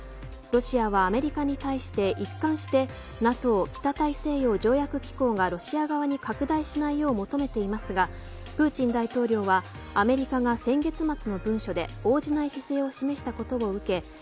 ロシアはアメリカに対して一貫してＮＡＴＯ北大西洋条約機構がロシア側に拡大しないよう求めていますがプーチン大統領は、アメリカが先月末の文書で応じない姿勢を示したことを受け